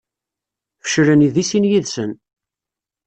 Feclen deg sin yid-sen.